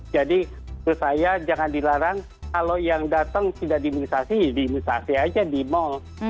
jadi menurut saya jangan dilarang kalau yang datang tidak di imunisasi di imunisasi saja di mall